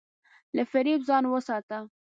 له فریب ځان وساته.